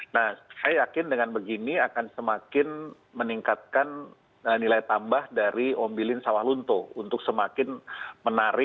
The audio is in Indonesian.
nah saya yakin dengan begini akan semakin meningkatkan nilai tambah dari ombilin sawal lunto untuk semakin menarik buat wisatawan domestik dan tentunya juga wisatawan mancanegara